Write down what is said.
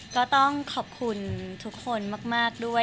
ก็ต้องขอบคุณทุกคนมากด้วย